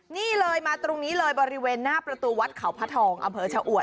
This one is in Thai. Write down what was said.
นี่เลยมาตรงนี้เลยบริเวณหน้าประตูวัดเขาพระทองอำเภอชะอวด